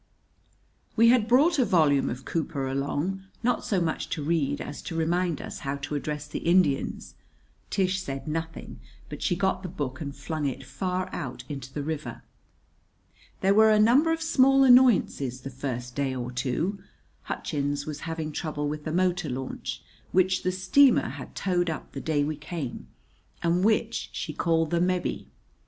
We had brought a volume of Cooper along, not so much to read as to remind us how to address the Indians. Tish said nothing, but she got the book and flung it far out into the river. There were a number of small annoyances the first day or two. Hutchins was having trouble with the motor launch, which the steamer had towed up the day we came, and which she called the "Mebbe."